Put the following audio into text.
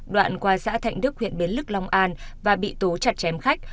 đoạn qua xã thạnh đức huyện biến lức long an và bị tố chặt chém khách